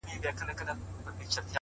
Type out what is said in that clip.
د زړه پاکوالی ستره شتمني ده’